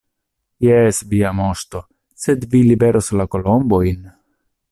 Jes, Via Moŝto, sed vi liveros la kolombojn?